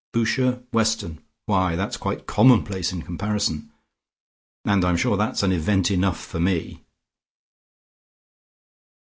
Boucher, Weston, why that's quite commonplace in comparison, and I'm sure that's an event enough for me."